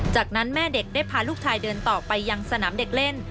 จากนั้นแม่เด็กได้พาลูกชายเดินต่อไปยังสนามเด็กเล่น